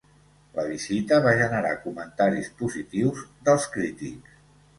La visita va generar comentaris positius dels crítics.